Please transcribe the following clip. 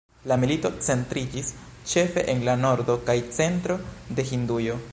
La milito centriĝis ĉefe en la nordo kaj centro de Hindujo.